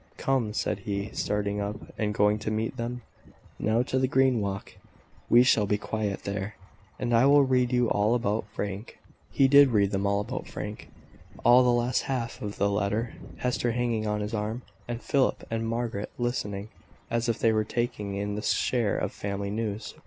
"Come!" said he, starting up, and going to meet them. "Now, to the green walk we shall be quiet there and I will read you all about Frank." He did read them all about Frank all the last half of the letter Hester hanging on his arm, and Philip and Margaret listening, as if they were taking in their share of family news.